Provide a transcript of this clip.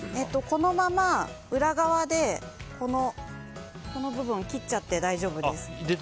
このまま、裏側でこの部分を切っちゃって大丈夫です。